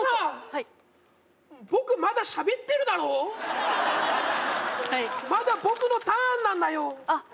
はい僕まだしゃべってるだろうはいまだ僕のターンなんだよあっ